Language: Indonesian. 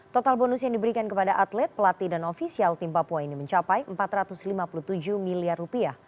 total bonus yang diberikan kepada atlet pelatih dan ofisial tim papua ini mencapai rp empat ratus lima puluh tujuh miliar